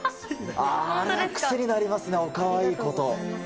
あれ、癖になりますね、おかわいいこと。